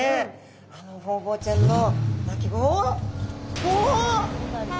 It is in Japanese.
あのホウボウちゃんの鳴き声おお？